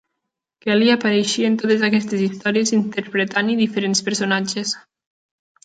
Kelly apareixia en totes aquestes històries interpretant-hi diferents personatges.